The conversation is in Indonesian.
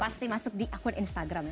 pasti masuk di akun instagram